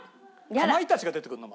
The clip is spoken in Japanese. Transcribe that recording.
かまいたちが出てくるの？